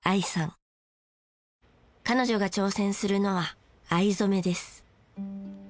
彼女が挑戦するのは藍染めです。